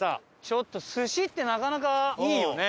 ちょっと寿司ってなかなかいいよね。